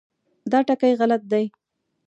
دا ټکي غلط دي.